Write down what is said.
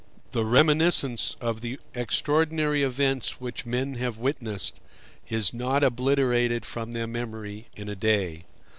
The reminiscence of the extraordinary events which men have witnessed is not obliterated from their memory in a day.